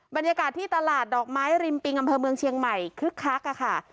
บรรยากาศที่ตลาดดอกไม้ริมปิงอำเภอเมืองเชียงใหม่คึกคักค่ะ